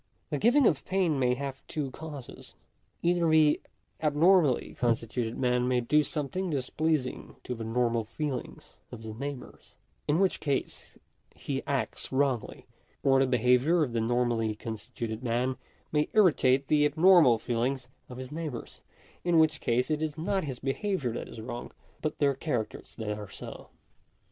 The giving of pain may have two causes. Either the abnormally constituted man may do something displeasing to the normal feelings of his neighbours, in which case he acts wrongly ; or the behaviour of die normally con stituted man may jrritate the abnormal feelings of his neigh bours ; in which case it is not his behaviour that is wrong, but their characters that are so.